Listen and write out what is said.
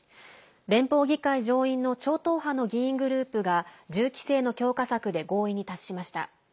連邦議会上院の超党派の議員グループが銃規制の強化策で合意に達しました。